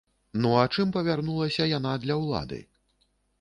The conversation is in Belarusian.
Ну а чым павярнулася яна для ўлады?